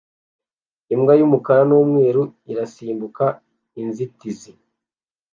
Imbwa y'umukara n'umweru irasimbuka inzitizi